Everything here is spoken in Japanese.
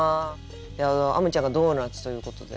あむちゃんが「ドーナツ」ということで。